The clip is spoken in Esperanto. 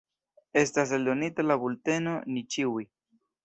Estas eldonita la bulteno Ni ĉiuj.